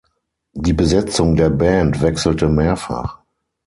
Die Besetzung der Band wechselte mehrfach.